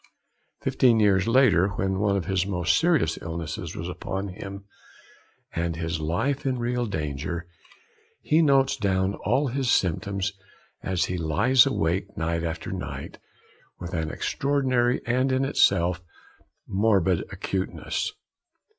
Fifteen years later, when one of his most serious illnesses was upon him, and his life in real danger, he notes down all his symptoms as he lies awake night after night, with an extraordinary and, in itself, morbid acuteness.